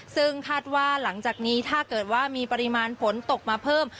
ซึ่งคาดว่าหลังจากนี้ถ้าเกิดว่ามีปริมาณฝนตกมาเพิ่ม